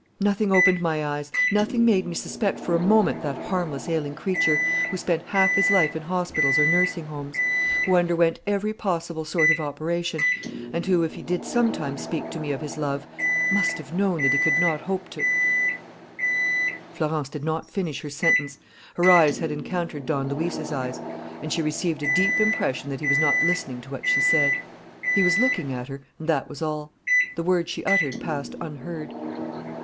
Nothing opened my eyes. Nothing made me suspect for a moment that harmless, ailing creature, who spent half his life in hospitals or nursing homes, who underwent every possible sort of operation, and who, if he did sometimes speak to me of his love, must have known that he could not hope to " Florence did not finish her sentence. Her eyes had encountered Don Luis's eyes; and she received a deep impression that he was not listening to what she said. He was looking at her; and that was all. The words she uttered passed unheard.